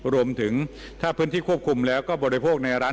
รวมถึงถ้าพื้นที่ควบคุมแล้วก็บริโภคในร้าน